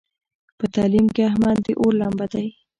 په تعلیم کې احمد د اور لمبه دی.